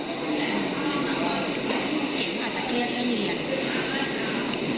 เห็นว่าจะเคลื่อนเรื่องเรียนละ